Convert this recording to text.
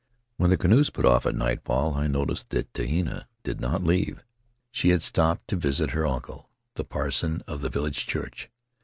"When the canoes put off at nightfall I noticed that Tehina did not leave; she had stopped to visit her uncle, the parson of the village church.